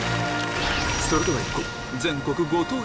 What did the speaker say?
それでは行こう！